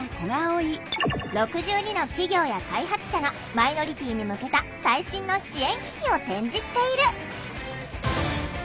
６２の企業や開発者がマイノリティーに向けた最新の支援機器を展示している。